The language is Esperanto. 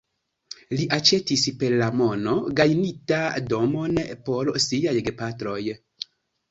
Li aĉetis, per la mono gajnita, domon por siaj gepatroj.